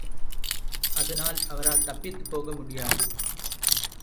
அதனால் அவரால் தப்பித்துப் போக முடியாது.